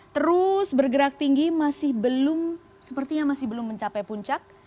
terus bergerak tinggi masih belum sepertinya masih belum mencapai puncak